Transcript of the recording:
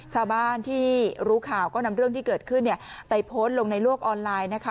ชาวบ้านที่รู้ข่าวก็นำเรื่องที่เกิดขึ้นไปโพสต์ลงในโลกออนไลน์นะคะ